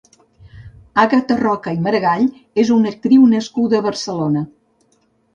Àgata Roca i Maragall és una actriu nascuda a Barcelona.